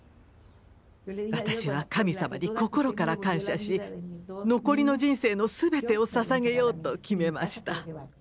私は神様に心から感謝し残りの人生のすべてをささげようと決めました。